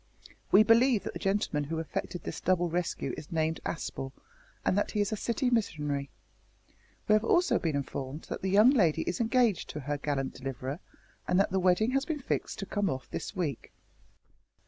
We believe that the gentleman who effected this double rescue is named Aspel, and that he is a city missionary. We have also been informed that the young lady is engaged to her gallant deliverer, and that the wedding has been fixed to come off this week."